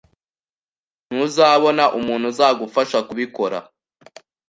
Ntuzabona umuntu uzagufasha kubikora.